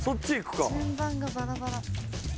順番がバラバラ。